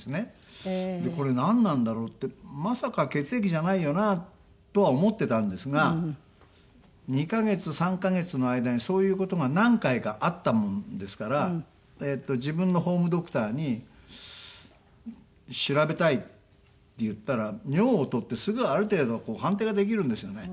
これなんなんだろう？ってまさか血液じゃないよな？とは思ってたんですが２カ月３カ月の間にそういう事が何回かあったものですから自分のホームドクターに「調べたい」って言ったら尿を採ってすぐある程度はこう判定ができるんですよね。